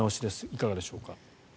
いかがでしょうか。